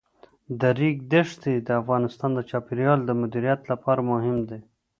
د ریګ دښتې د افغانستان د چاپیریال د مدیریت لپاره مهم دي.